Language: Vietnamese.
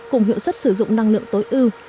cùng hiệu suất sử dụng năng lượng tối ưu